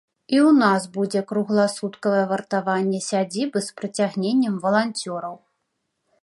І ў нас будзе кругласуткавае вартаванне сядзібы, з прыцягненнем валанцёраў.